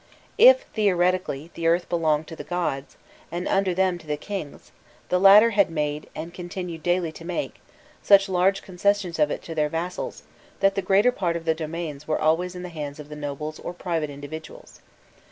If, theoretically, the earth belonged to the gods, and under them to the kings, the latter had made, and continued daily to make, such large concessions of it to their vassals, that the greater part of their domains were always in the hands of the nobles or private individuals.